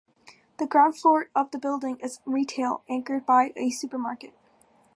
The ground floor of the building is retail, anchored by a supermarket.